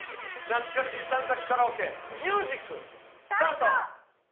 なつかしー３択カラオケミュージック。スタート！